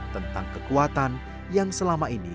tentang kekuatan yang selama ini